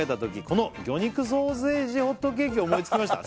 「この魚肉ソーセージホットケーキを思いつきました」